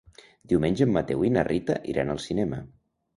Diumenge en Mateu i na Rita iran al cinema.